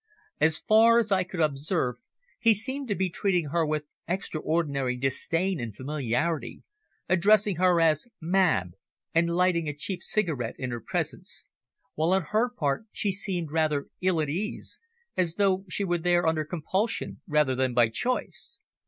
As far as I could observe he seemed to be treating her with extraordinary disdain and familiarity, addressing her as "Mab" and lighting a cheap cigarette in her presence, while on her part she seemed rather ill at ease, as though she were there under compulsion rather than by choice.